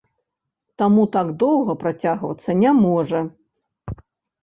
Таму так доўга працягвацца не можа.